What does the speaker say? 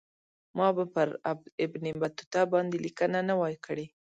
ما به پر ابن بطوطه باندې لیکنه نه وای کړې.